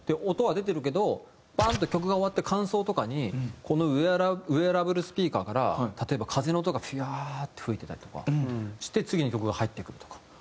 音は出てるけどバンと曲が終わって間奏とかにこのウェアラブルスピーカーから例えば風の音がフワーって吹いてたりとかして次の曲が入ってくるとか。